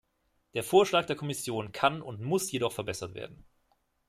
Der Vorschlag der Kommission kann und muss jedoch verbessert werden.